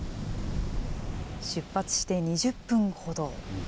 出発して２０分ほど。